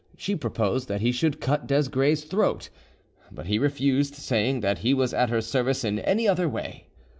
She proposed that he should cut Desgrais' throat; but he refused, saying that he was at her service in any other way.